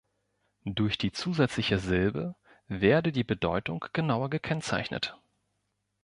Durch die zusätzliche Silbe werde die Bedeutung genauer gekennzeichnet.